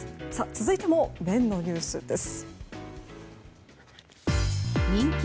続いても麺のニュースです。